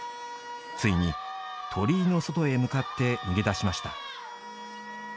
ついに鳥居の外へ向かって逃げ出しました。